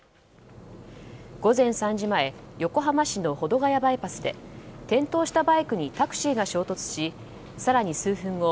午前３時前横浜市の保土ヶ谷バイパスで転倒したバイクにタクシーが衝突し更に数分後